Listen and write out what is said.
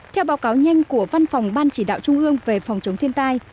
theo báo cáo nhanh của văn phòng ban chỉ đạo trung ương về phòng chống thiên tai